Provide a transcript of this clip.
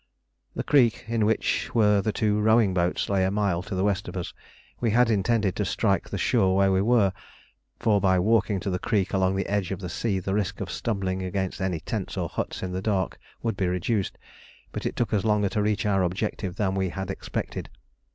The creek, in which were the two rowing boats, lay a mile to the west of us. We had intended to strike the shore where we were, for by walking to the creek along the edge of the sea the risk of stumbling against any tents or huts in the dark would be reduced; but it took us longer to reach our objective than we had expected.